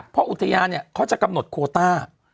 เพราะอุทยานเขาจะกำหนดโคต้า